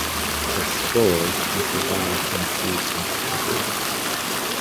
The spores can survive on seeds and stubble.